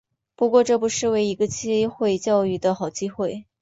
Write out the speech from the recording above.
不过这不失为一个机会教育的好机会